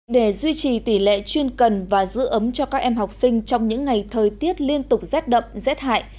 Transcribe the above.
để duy trì tỷ lệ chuyên cần và giữ ấm cho các em học sinh trong những ngày thời tiết liên tục rét đậm rét hại